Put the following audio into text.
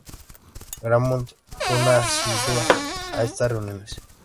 Gramont fue una asidua a estas reuniones.